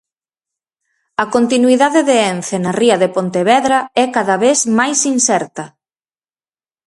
A continuidade de Ence na ría de Pontevedra é cada vez máis incerta.